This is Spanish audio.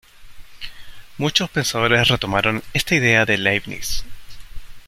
Muchos pensadores retomaron esta idea de Leibniz.